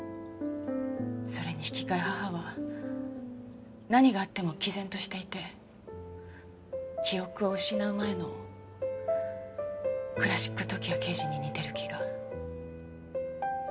それに引き換え母は何があっても毅然としていて記憶を失う前のクラシック時矢刑事に似てる気が。